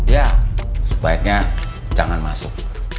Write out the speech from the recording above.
ya sebaiknya jangan masuk